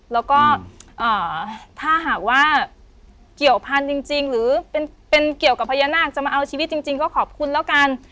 แล้วก็ถ้าหากว่าเกี่ยวพันธุ์จริงหรือเป็นเกี่ยวกับพญานาคจะมาเอาชีวิตจริงก็ขอบคุณแล้วกัน